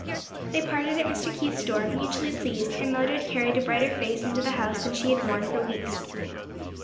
They parted at Mr. Keith's door, mutually pleased, and Mildred carried a brighter face into the house than she had worn for weeks.